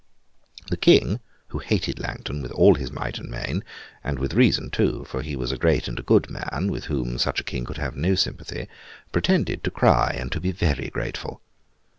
The King, who hated Langton with all his might and main—and with reason too, for he was a great and a good man, with whom such a King could have no sympathy—pretended to cry and to be very grateful.